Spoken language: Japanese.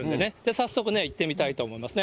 早速行ってみたいと思いますね。